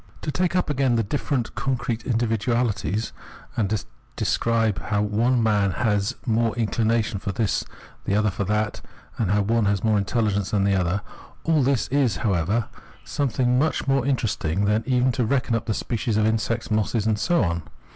To take up again the different concrete individuahties, and to describe how one man has more inclination for this, the other for that, how one has more intelhgence than the other— all this is, however, something much 292 Phenomenology of Mhid more uninteresting than even to reckon up the species of insects, mosses, and so on.